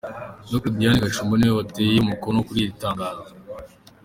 Dr Diane Gashumba ni we wateye umukono kuri iri tangazo.